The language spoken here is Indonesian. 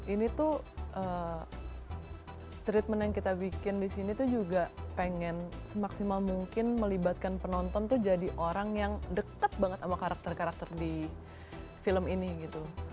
ini tuh treatment yang kita bikin di sini tuh juga pengen semaksimal mungkin melibatkan penonton tuh jadi orang yang deket banget sama karakter karakter di film ini gitu